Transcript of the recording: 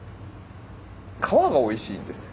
皮がおいしいんですよ。